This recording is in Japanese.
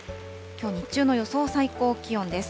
きょう日中の予想最高気温です。